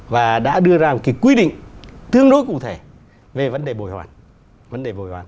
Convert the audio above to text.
và đã đưa ra một quy định tương đối cụ thể về vấn đề bồi hoàn